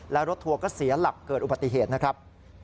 แล้วรถทัวร์ก็เสียหลักเกิดอุบัติเหตุนะครับ